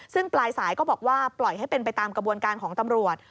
ซึ่งปลายสายก็บอกว่าปล่อยให้เป็นไปตามกระบวนการของตำรวจ